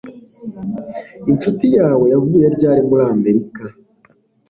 Inshuti yawe yavuye ryari muri Amerika